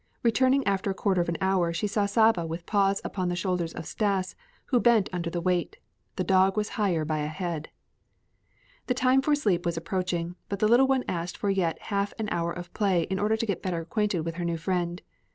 Returning after a quarter of an hour she saw Saba with paws upon the shoulders of Stas, who bent under the weight; the dog was higher by a head. The time for sleep was approaching, but the little one asked for yet half an hour of play in order to get better acquainted with her new friend.